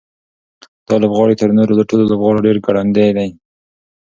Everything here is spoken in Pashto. دا لوبغاړی تر نورو ټولو لوبغاړو ډېر ګړندی دی.